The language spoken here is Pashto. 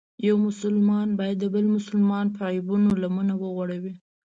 یو مسلمان باید د بل مسلمان په عیبونو لمنه وغوړوي.